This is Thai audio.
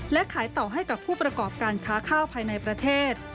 และขายต่อให้กับผู้ประกอบการค้าข้าวภายในประเทศ